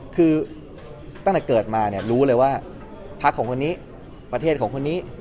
คือตั้งแต่เกิดมาเนี่ยรู้เลยว่าพักของคนนี้ประเทศของคนนี้